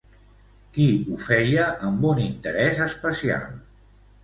Qui ho feia amb un interès especial?